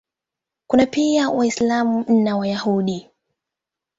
Kuna pia Waislamu na Wayahudi.